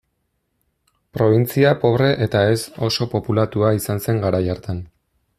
Probintzia pobre eta ez oso populatua izan zen garai hartan.